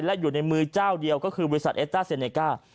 และอยู่ในมือเจ้าเดียวก็คือบริษัทเอสต้าเซเนก้า